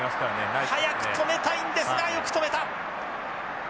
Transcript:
早く止めたいんですがよく止めた。